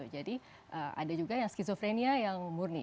jadi ada juga yang schizophrenia yang murni